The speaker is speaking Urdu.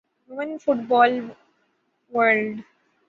women football world